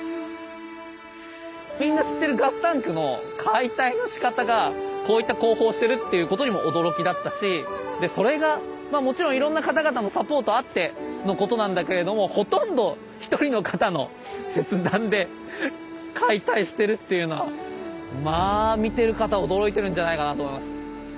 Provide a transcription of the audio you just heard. みんな知ってるガスタンクの解体のしかたがこういった工法をしてるっていうことにも驚きだったしそれがもちろんいろんな方々のサポートあってのことなんだけれどもほとんど１人の方の切断で解体してるっていうのはまあ見てる方驚いてるんじゃないかなと思います。